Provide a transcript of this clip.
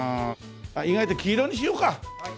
意外と黄色にしようか！